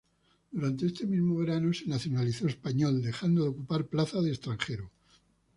Durante ese mismo verano se nacionalizó español dejando de ocupar plaza de extranjero.